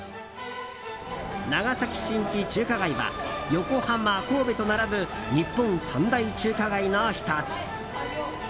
長崎新地中華街は横浜、神戸と並ぶ日本三大中華街の１つ。